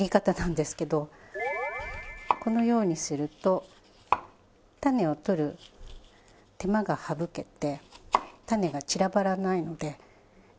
このようにすると種を取る手間が省けて種が散らばらないのでこのようにして。